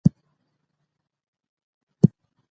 دا څېړنه تر پخوانۍ هغې پیاوړې ده.